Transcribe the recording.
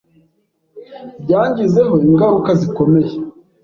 Byangizeho ingaruka zikomeye.